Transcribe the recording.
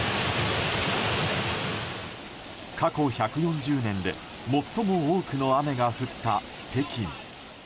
過去１４０年で最も多くの雨が降った北京。